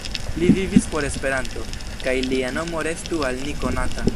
Li vivis por Esperanto, kaj lia nomo restu al ni konata!